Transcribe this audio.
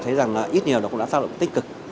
thấy rằng ít nhiều nó cũng đã tác động tích cực